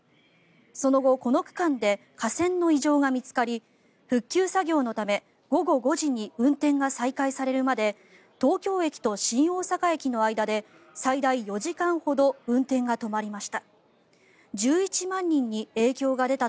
その後この区間で架線の異常が見つかり復旧作業のため午後５時に運転が再開されるまで東京駅と新大阪駅の間で最大４時間ほど運転が止まりました。